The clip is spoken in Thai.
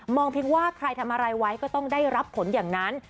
เพียงว่าใครทำอะไรไว้ก็ต้องได้รับผลอย่างนั้น